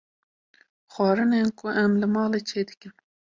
Xwarinên ku em li malê çê dikin